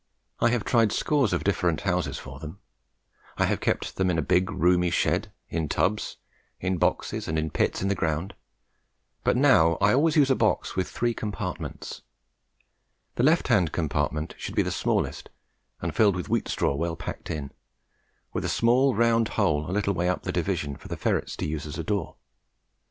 I have tried scores of different houses for them. I have kept them in a big roomy shed, in tubs, in boxes, and in pits in the ground; but now I always use a box with three compartments. The left hand compartment should be the smallest and filled with wheat straw well packed in, with a small round hole a little way up the division, for the ferrets to use as a door.